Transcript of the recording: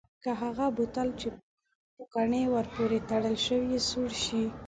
که هغه بوتل چې پوکڼۍ ور پورې تړل شوې سوړ شي؟